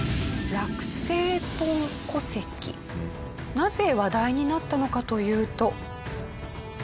なぜ話題になったのかというと。